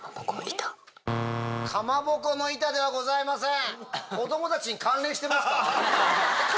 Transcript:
かまぼこの板ではございません。